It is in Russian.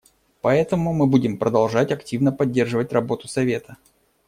Поэтому мы будем продолжать активно поддерживать работу Совета.